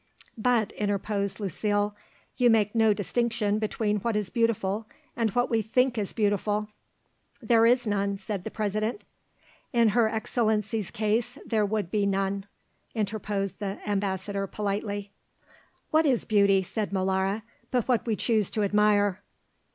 "But," interposed Lucile, "you make no distinction between what is beautiful and what we think is beautiful." "There is none," said the President. "In Her Excellency's case there would be none," interposed the Ambassador politely. "What is beauty," said Molara, "but what we choose to admire?"